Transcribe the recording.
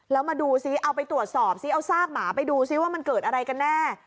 แล้วมาดูซิเอาไปตรวจสอบซิเอาซากหมาไปดูซิว่ามันเกิดอะไรกันแน่